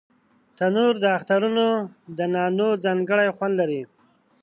تنور د اخترونو د نانو ځانګړی خوند لري